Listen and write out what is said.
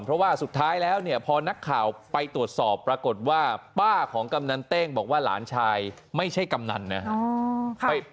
เพราะว่าสุดท้ายแล้วเนี่ยพอนักข่าวไปตรวจสอบปรากฏว่าป้าของกำนันเต้งบอกว่าหลานชายไม่ใช่กำนันนะครับ